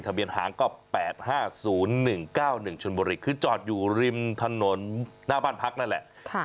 เบียนหางก็๘๕๐๑๙๑ชนบุรีคือจอดอยู่ริมถนนหน้าบ้านพักนั่นแหละ